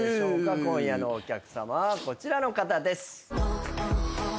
今夜のお客さまはこちらの方です。